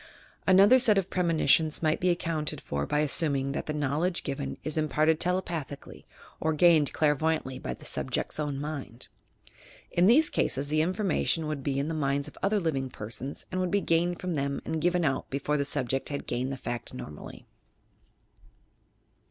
Another set of premonitions might be accounted for by assuming that the knowledge given is imparted tele pathieally or gained clairvoyantly by the subject's own mind. In these cases the information would be in the minds of other living persons and would be gained from them and given out before the subject had gained the fact normally.